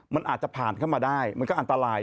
มันอาจจะผ่านเข้ามาได้มันก็อันตราย